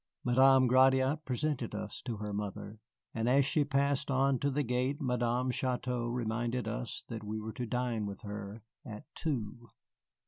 Madame Gratiot presented us to her mother, and as she passed on to the gate Madame Chouteau reminded us that we were to dine with her at two.